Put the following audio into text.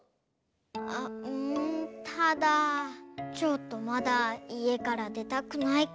あっうんただちょっとまだいえからでたくないかも。